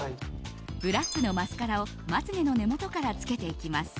ブラックのマスカラをまつ毛の根元からつけていきます。